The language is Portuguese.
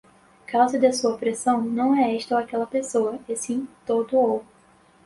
causa de sua opressão não é esta ou aquela pessoa, e sim todo o